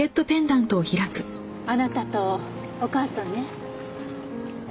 あなたとお母さんね。